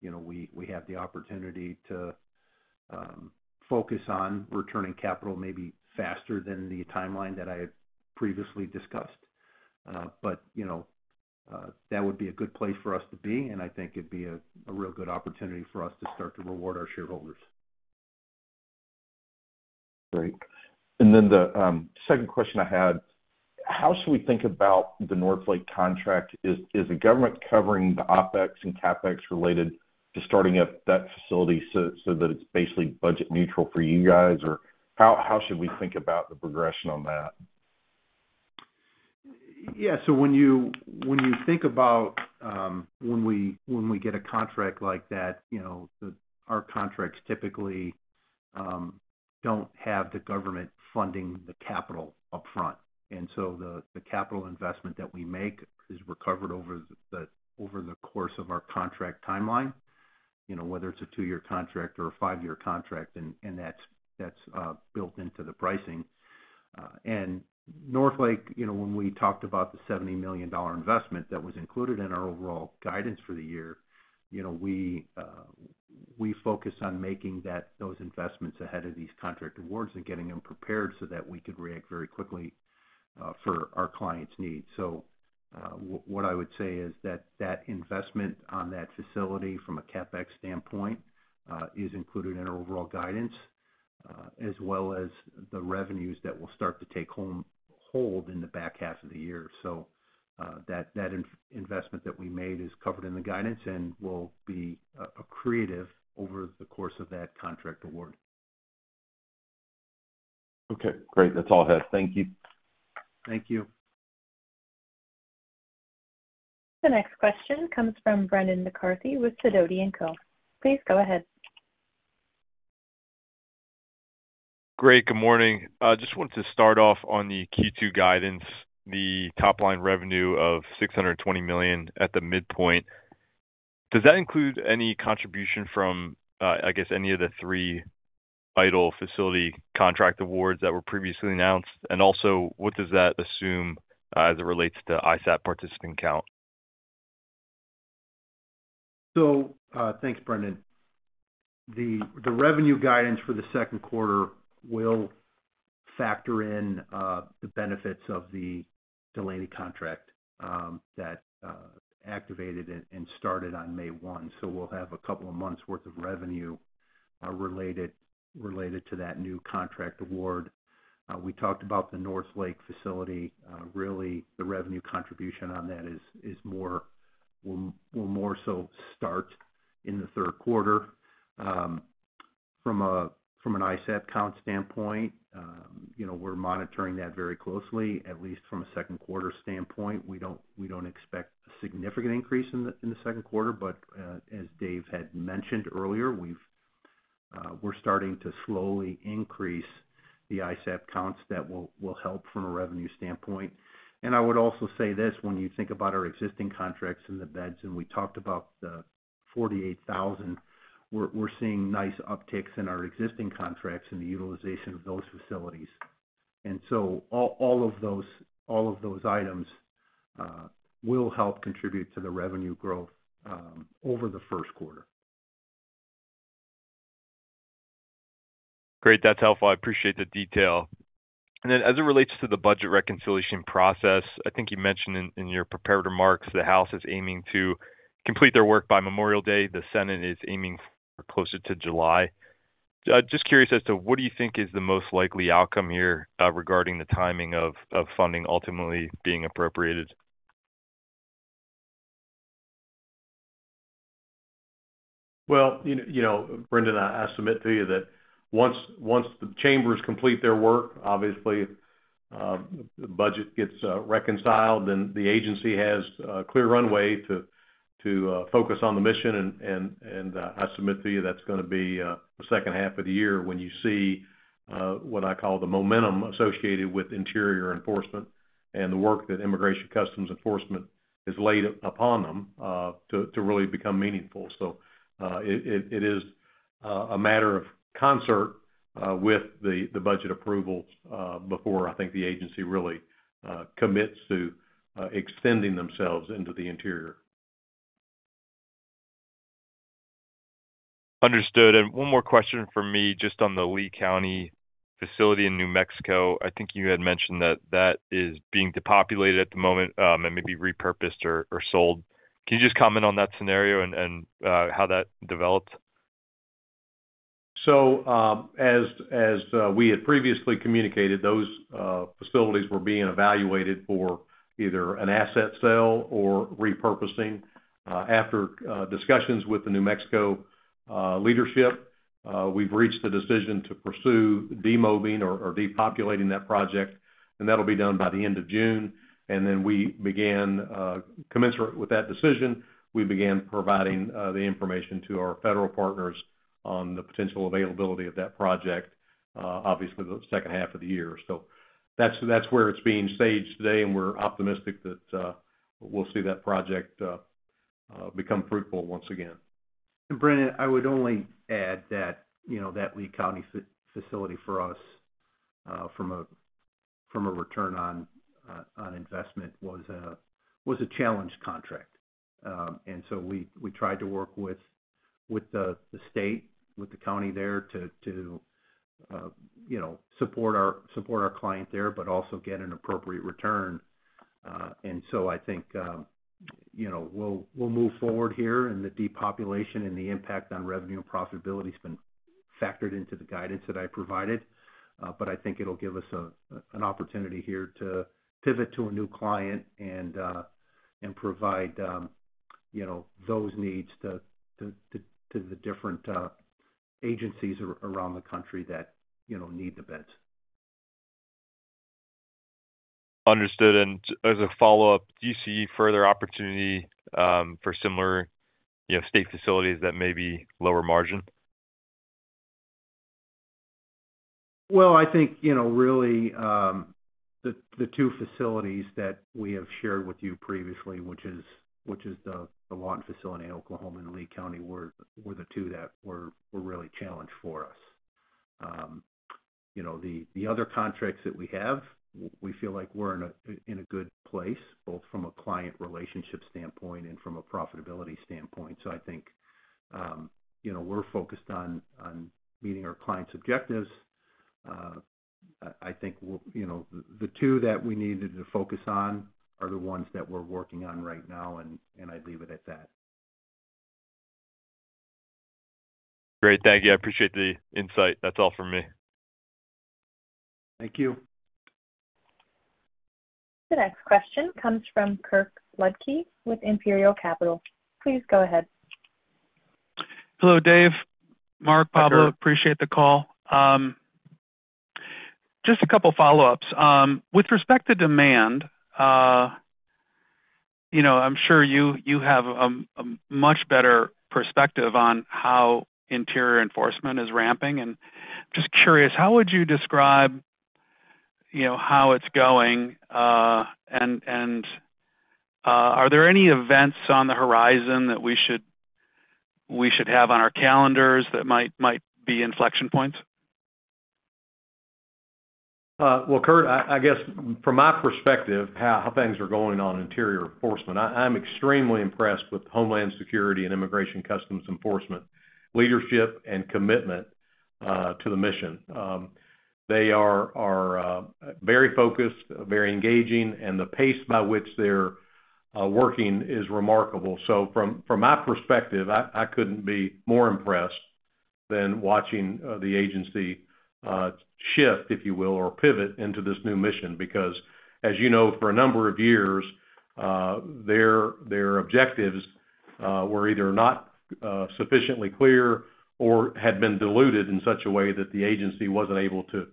we have the opportunity to focus on returning capital maybe faster than the timeline that I previously discussed. That would be a good place for us to be, and I think it'd be a real good opportunity for us to start to reward our shareholders. Great. The second question I had, how should we think about the Northlake contract? Is the government covering the OpEx and CapEx related to starting up that facility so that it's basically budget-neutral for you guys? Or how should we think about the progression on that? When you think about when we get a contract like that, our contracts typically do not have the government funding the capital upfront. The capital investment that we make is recovered over the course of our contract timeline, whether it is a two-year contract or a five-year contract, and that is built into the pricing. Northlake, when we talked about the $70 million investment that was included in our overall guidance for the year, we focused on making those investments ahead of these contract awards and getting them prepared so that we could react very quickly for our clients' needs. What I would say is that that investment on that facility from a CapEx standpoint is included in our overall guidance, as well as the revenues that will start to take hold in the back half of the year. So that investment that we made is covered in the guidance and will be accretive over the course of that contract award. Okay. Great. That's all I had. Thank you. Thank you. The next question comes from Brendan McCarthy with Sidoti & Company. Please go ahead. Greg, good morning. I just wanted to start off on the Q2 guidance, the top-line revenue of $620 million at the midpoint. Does that include any contribution from, I guess, any of the three idle facility contract awards that were previously announced? And also, what does that assume as it relates to ISAP participant count? Thanks, Brendan. The revenue guidance for the second quarter will factor in the benefits of the Delaney Hall contract that activated and started on May 1. We'll have a couple of months' worth of revenue related to that new contract award. We talked about the Northlake facility. Really, the revenue contribution on that will more so start in the third quarter. From an ISAP count standpoint, we're monitoring that very closely, at least from a second quarter standpoint. We don't expect a significant increase in the second quarter. As Dave had mentioned earlier, we're starting to slowly increase the ISAP counts that will help from a revenue standpoint. I would also say this, when you think about our existing contracts and the beds, and we talked about the 48,000, we're seeing nice upticks in our existing contracts and the utilization of those facilities. All of those items will help contribute to the revenue growth over the first quarter. Great. That's helpful. I appreciate the detail. As it relates to the budget reconciliation process, I think you mentioned in your prepared remarks, the House is aiming to complete their work by Memorial Day. The Senate is aiming for closer to July. Just curious as to what do you think is the most likely outcome here regarding the timing of funding ultimately being appropriated? Brendan, I'll submit to you that once the chambers complete their work, obviously, the budget gets reconciled, then the agency has a clear runway to focus on the mission. I submit to you that's going to be the second half of the year when you see what I call the momentum associated with interior enforcement and the work that Immigration Customs Enforcement has laid upon them to really become meaningful. It is a matter of concert with the budget approval before I think the agency really commits to extending themselves into the interior. Understood. One more question for me just on the Lee County facility in New Mexico. I think you had mentioned that that is being depopulated at the moment and maybe repurposed or sold. Can you just comment on that scenario and how that developed? As we had previously communicated, those facilities were being evaluated for either an asset sale or repurposing. After discussions with the New Mexico leadership, we've reached the decision to pursue demobing or depopulating that project. That will be done by the end of June. We began, commensurate with that decision, providing the information to our federal partners on the potential availability of that project, obviously, the second half of the year. That's where it's being staged today, and we're optimistic that we'll see that project become fruitful once again. Brendan, I would only add that that Lee County facility for us from a return on investment was a challenge contract. We tried to work with the state, with the county there to support our client there, but also get an appropriate return. I think we'll move forward here, and the depopulation and the impact on revenue and profitability has been factored into the guidance that I provided. I think it'll give us an opportunity here to pivot to a new client and provide those needs to the different agencies around the country that need the beds. Understood. As a follow-up, do you see further opportunity for similar state facilities that may be lower margin? I think really the two facilities that we have shared with you previously, which is the Watt facility in Oklahoma and Lee County, were the two that were really challenged for us. The other contracts that we have, we feel like we're in a good place, both from a client relationship standpoint and from a profitability standpoint. I think we're focused on meeting our client's objectives. I think the two that we needed to focus on are the ones that we're working on right now, and I'd leave it at that. Great. Thank you. I appreciate the insight. That's all for me. Thank you. The next question comes from Kirk Ludtke with Imperial Capital. Please go ahead. Hello, Dave. Mark, Pablo. Appreciate the call. Just a couple of follow-ups. With respect to demand, I'm sure you have a much better perspective on how interior enforcement is ramping. I'm just curious, how would you describe how it's going? Are there any events on the horizon that we should have on our calendars that might be inflection points? I guess from my perspective, how things are going on interior enforcement, I'm extremely impressed with Homeland Security and Immigration Customs Enforcement leadership and commitment to the mission. They are very focused, very engaging, and the pace by which they're working is remarkable. From my perspective, I couldn't be more impressed than watching the agency shift, if you will, or pivot into this new mission. Because as you know, for a number of years, their objectives were either not sufficiently clear or had been diluted in such a way that the agency wasn't able to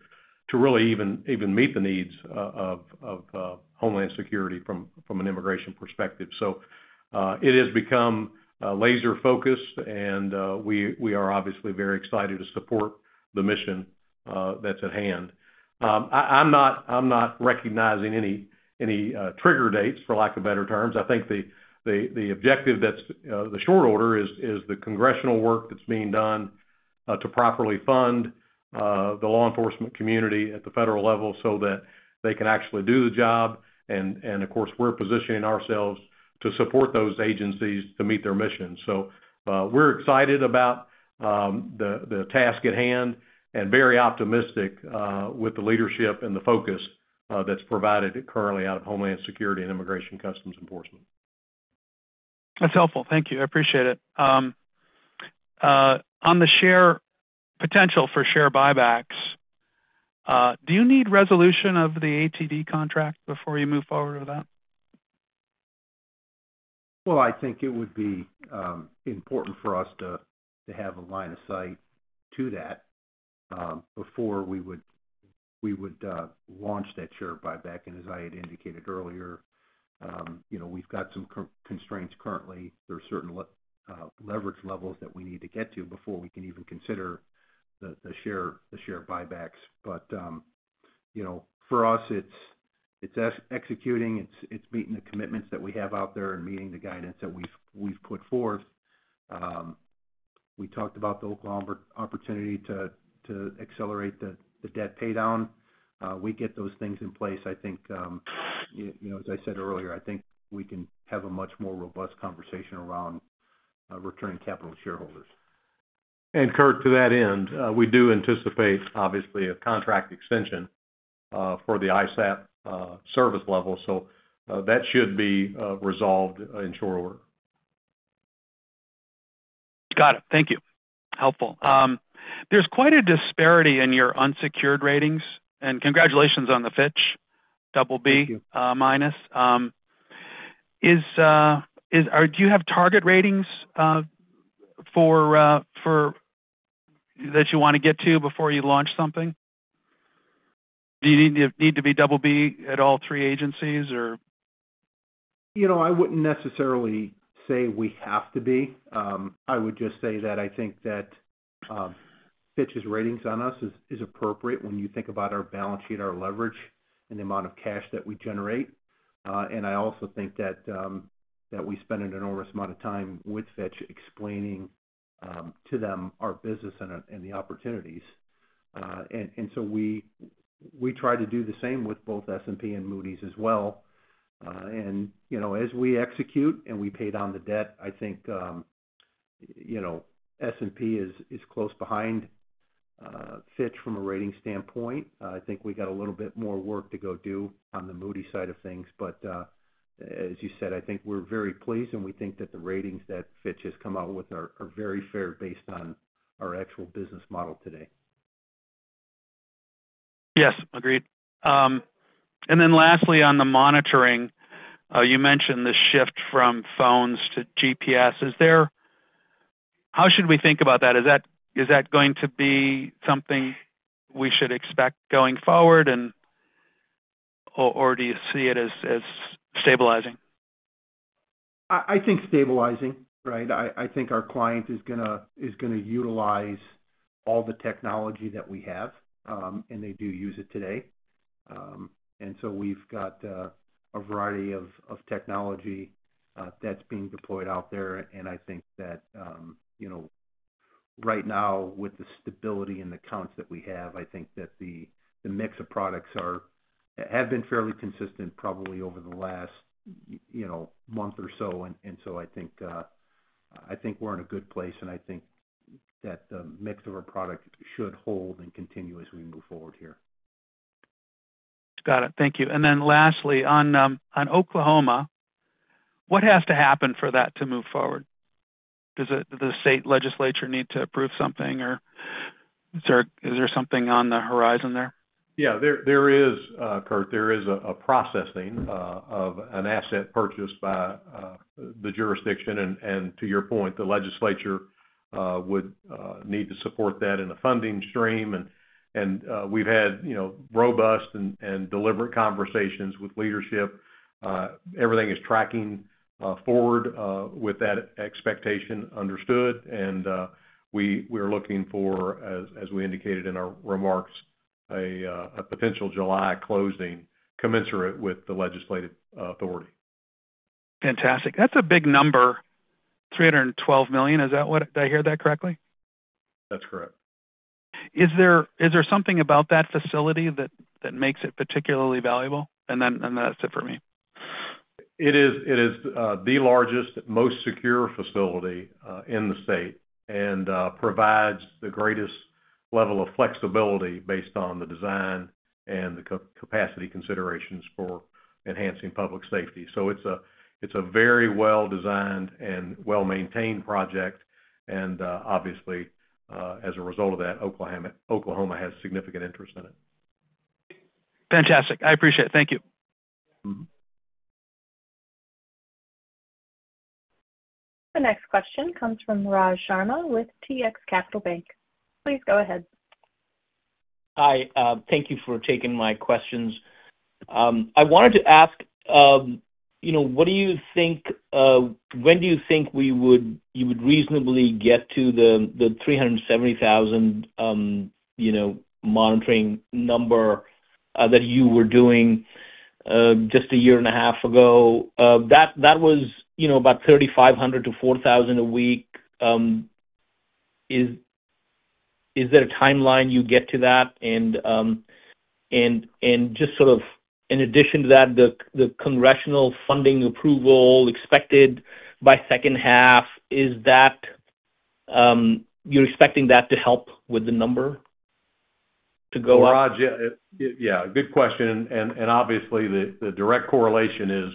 really even meet the needs of Homeland Security from an immigration perspective. It has become laser-focused, and we are obviously very excited to support the mission that's at hand. I'm not recognizing any trigger dates, for lack of better terms. I think the objective that's the short order is the congressional work that's being done to properly fund the law enforcement community at the federal level so that they can actually do the job. Of course, we're positioning ourselves to support those agencies to meet their mission. We're excited about the task at hand and very optimistic with the leadership and the focus that's provided currently out of Homeland Security and Immigration Customs Enforcement. That's helpful. Thank you. I appreciate it. On the potential for share buybacks, do you need resolution of the ATD contract before you move forward with that? I think it would be important for us to have a line of sight to that before we would launch that share buyback. As I had indicated earlier, we've got some constraints currently. There are certain leverage levels that we need to get to before we can even consider the share buybacks. For us, it's executing. It's meeting the commitments that we have out there and meeting the guidance that we've put forth. We talked about the Oklahoma opportunity to accelerate the debt paydown. We get those things in place. I think, as I said earlier, I think we can have a much more robust conversation around returning capital to shareholders. Kurt, to that end, we do anticipate, obviously, a contract extension for the ISAP service level. That should be resolved in short order. Got it. Thank you. Helpful. There's quite a disparity in your unsecured ratings. Congratulations on the Fitch Double B minus. Do you have target ratings that you want to get to before you launch something? Do you need to be Double B at all three agencies, or? I wouldn't necessarily say we have to be. I would just say that I think that Fitch's ratings on us is appropriate when you think about our balance sheet, our leverage, and the amount of cash that we generate. I also think that we spent an enormous amount of time with Fitch explaining to them our business and the opportunities. We try to do the same with both S&P and Moody's as well. As we execute and we pay down the debt, I think S&P is close behind Fitch from a rating standpoint. I think we got a little bit more work to go do on the Moody's side of things. As you said, I think we're very pleased, and we think that the ratings that Fitch has come out with are very fair based on our actual business model today. Yes. Agreed. Lastly, on the monitoring, you mentioned the shift from phones to GPS. How should we think about that? Is that going to be something we should expect going forward, or do you see it as stabilizing? I think stabilizing, right? I think our client is going to utilize all the technology that we have, and they do use it today. We have a variety of technology that is being deployed out there. I think that right now, with the stability and the counts that we have, I think that the mix of products have been fairly consistent probably over the last month or so. I think we are in a good place, and I think that the mix of our product should hold and continue as we move forward here. Got it. Thank you. Lastly, on Oklahoma, what has to happen for that to move forward? Does the state legislature need to approve something, or is there something on the horizon there? Yeah. There is, Kirk. There is a processing of an asset purchased by the jurisdiction. To your point, the legislature would need to support that in a funding stream. We have had robust and deliberate conversations with leadership. Everything is tracking forward with that expectation understood. We are looking for, as we indicated in our remarks, a potential July closing commensurate with the legislative authority. Fantastic. That's a big number, $312 million. Did I hear that correctly? That's correct. Is there something about that facility that makes it particularly valuable? That is it for me. It is the largest, most secure facility in the state and provides the greatest level of flexibility based on the design and the capacity considerations for enhancing public safety. It is a very well-designed and well-maintained project. Obviously, as a result of that, Oklahoma has significant interest in it. Fantastic. I appreciate it. Thank you. The next question comes from Raj Sharma with Texas Capital Bank. Please go ahead. Hi. Thank you for taking my questions.I wanted to ask, what do you think, when do you think you would reasonably get to the 370,000 monitoring number that you were doing just a year and a half ago? That was about 3,500-4,000 a week. Is there a timeline you get to that? In addition to that, the congressional funding approval expected by second half, you're expecting that to help with the number to go up? Raj, yeah. Good question. Obviously, the direct correlation is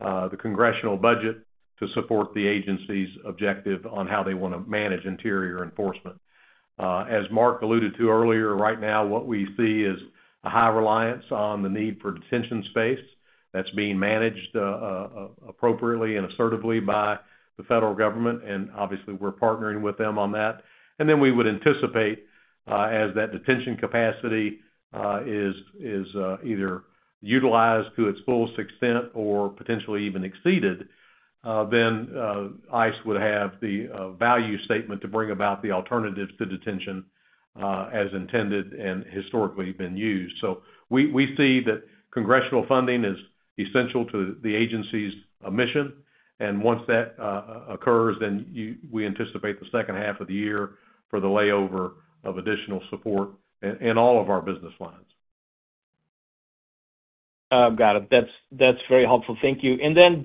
the congressional budget to support the agency's objective on how they want to manage interior enforcement. As Mark alluded to earlier, right now, what we see is a high reliance on the need for detention space that's being managed appropriately and assertively by the federal government. Obviously, we're partnering with them on that. We would anticipate, as that detention capacity is either utilized to its fullest extent or potentially even exceeded, ICE would have the value statement to bring about the alternatives to detention as intended and historically been used. We see that congressional funding is essential to the agency's mission. Once that occurs, we anticipate the second half of the year for the layover of additional support in all of our business lines. Got it. That is very helpful. Thank you.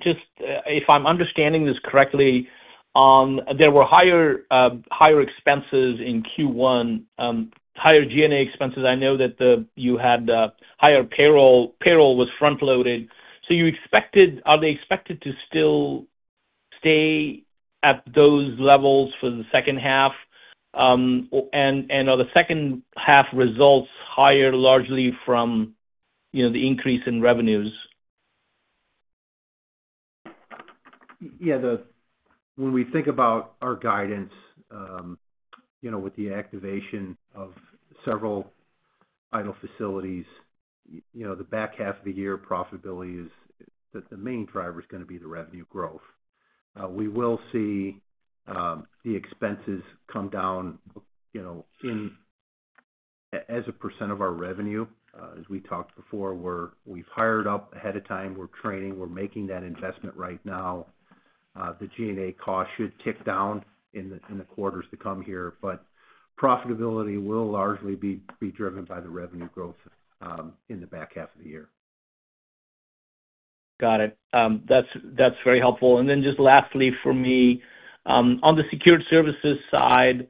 Just if I am understanding this correctly, there were higher expenses in Q1, higher G&A expenses. I know that you had higher payroll was front-loaded. Are they expected to still stay at those levels for the second half? Are the second half results higher largely from the increase in revenues? When we think about our guidance with the activation of several vital facilities, the back half of the year, profitability is that the main driver is going to be the revenue growth. We will see the expenses come down as a % of our revenue. As we talked before, we've hired up ahead of time. We're training. We're making that investment right now. The G&A cost should tick down in the quarters to come here. Profitability will largely be driven by the revenue growth in the back half of the year. Got it. That's very helpful. Just lastly for me, on the secure services side,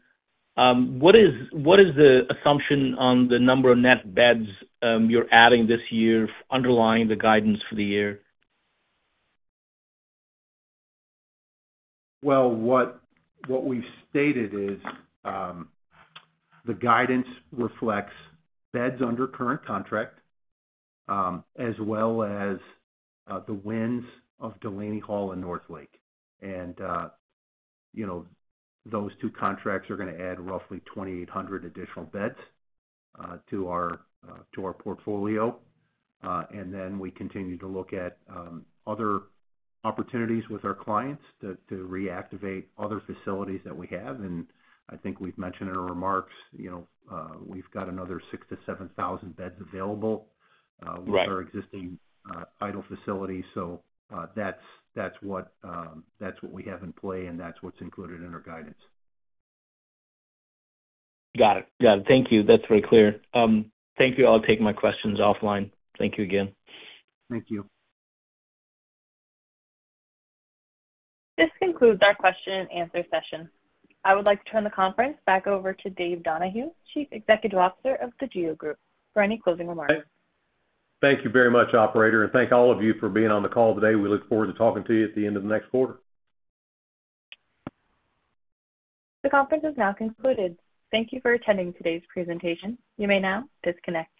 what is the assumption on the number of net beds you're adding this year underlying the guidance for the year? What we've stated is the guidance reflects beds under current contract as well as the wins of Delaney Hall and Northlake. Those two contracts are going to add roughly 2,800 additional beds to our portfolio. We continue to look at other opportunities with our clients to reactivate other facilities that we have. I think we've mentioned in our remarks, we've got another 6,000-7,000 beds available with our existing idle facility. That is what we have in play, and that is what is included in our guidance. Got it. Got it. Thank you. That is very clear. Thank you. I'll take my questions offline. Thank you again. Thank you. This concludes our question-and-answer session. I would like to turn the conference back over to Dave Donahue, Chief Executive Officer of The GEO Group, for any closing remarks. Thank you very much, Operator. Thank all of you for being on the call today. We look forward to talking to you at the end of the next quarter. The conference is now concluded. Thank you for attending today's presentation. You may now disconnect.